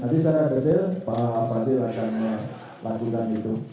nanti saya beritahu pak pak dil akan melakukan itu